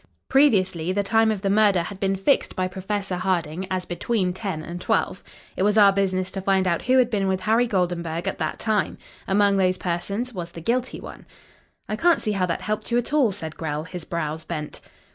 "Previously, the time of the murder had been fixed by Professor Harding as between ten and twelve. It was our business to find out who had been with Harry Goldenburg at that time. Among those persons was the guilty one." "I can't see how that helped you at all," said Grell, his brows bent.